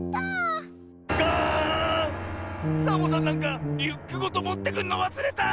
サボさんなんかリュックごともってくるのわすれた！